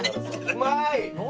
うまい！